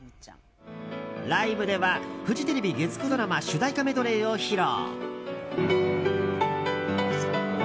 ライブではフジテレビ月９ドラマ主題歌メドレーを披露。